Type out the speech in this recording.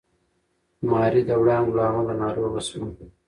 ماري د وړانګو له امله ناروغه شوه.